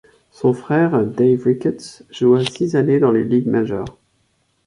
Son frère Dave Ricketts joua six années dans les ligues majeures.